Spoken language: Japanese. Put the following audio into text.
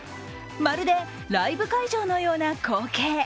まるでライブ会場のような光景。